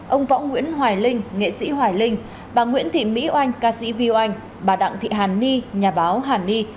ông võ nguyễn hoài linh nghệ sĩ hoài linh bà nguyễn thị mỹ oanh ca sĩ vy oanh bà đặng thị hàn ni nhà báo hàn ni